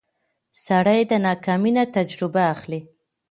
سړی د ناکامۍ نه تجربه اخلي